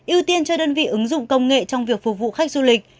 ưu tiên cho đơn vị ứng dụng công nghệ trong việc phục vụ khách du lịch